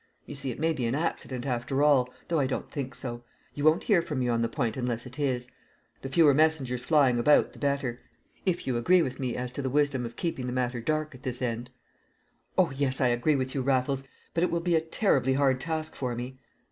You see, it may be an accident after all, though I don't think so. You won't hear from me on the point unless it is; the fewer messengers flying about the better, if you agree with me as to the wisdom of keeping the matter dark at this end." "Oh, yes, I agree with you, Raffles; but it will be a terribly hard task for me!"